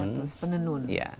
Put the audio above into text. yang di dua belas pulau itu